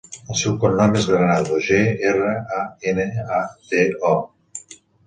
El seu cognom és Granado: ge, erra, a, ena, a, de, o.